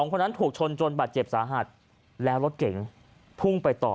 คนนั้นถูกชนจนบาดเจ็บสาหัสแล้วรถเก๋งพุ่งไปต่อ